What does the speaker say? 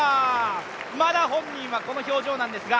まだ本人はこの表情なんですが。